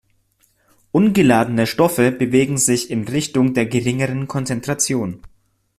Ungeladene Stoffe bewegen sich in Richtung der geringeren Konzentration.